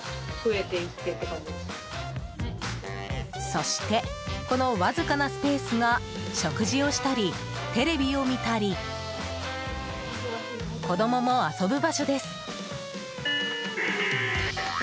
そしてこのわずかなスペースが食事をしたり、テレビを見たり子供も遊ぶ場所です。